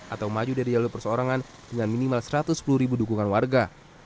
atau maju dari jalur perseorangan dengan minimal satu ratus sepuluh ribu dukungan warga